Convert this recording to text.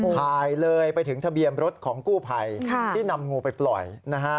ถ่ายเลยไปถึงทะเบียนรถของกู้ภัยที่นำงูไปปล่อยนะฮะ